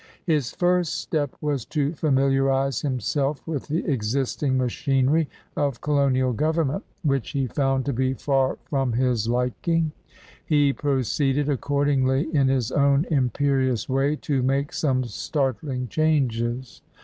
^ His first step was to fammarize himself with the ] existing machinery of colonial government, which he found to be far from his liking. He proceeded, accordingly, in his own imperious way, to make some startling changes.